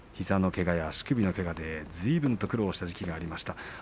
膝のけがや足首のけがでずいぶん苦労した時期がありました。